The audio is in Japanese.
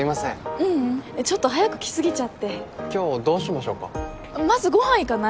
ううんちょっと早く来すぎちゃって今日どうしましょうかまずご飯行かない？